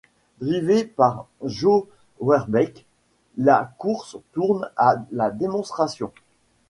Drivé par Jos Verbeeck, la course tourne à la démonstration.